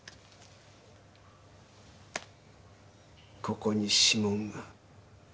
ここに指紋が。